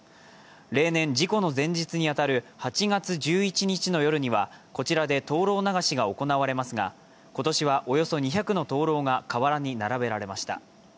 例年、事故の前日に当たる８月１１日の夜にはこちらで灯籠流しが行われますが、今年はおよそ２００の灯籠が河原に並べられました。